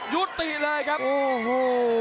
ยุติเลยครับโอ้โห